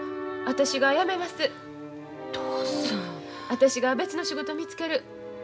私が別の仕事見つける。